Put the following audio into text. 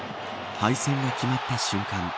敗戦が決まった瞬間